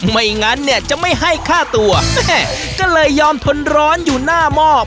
ไม่งั้นเนี่ยจะไม่ให้ฆ่าตัวแม่ก็เลยยอมทนร้อนอยู่หน้าหม้อ